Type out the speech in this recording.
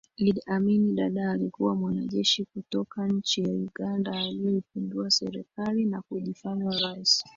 Idi Amin Dada alikuwa mwanajeshi kutoka nchi ya Uganda aliyepindua serikali na kujifanya rais